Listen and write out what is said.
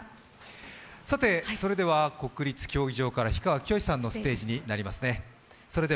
それでは国立競技場から氷川きよしさんのステージになりますね。